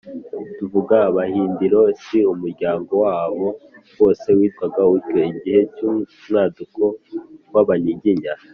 tuvuga abahindiro; si umuryango wabo wose witwaga utyo, igihe cy’umwaduko w’abanyiginya,